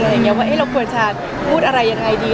ว่าเราควรจะพูดอะไรยังไงดี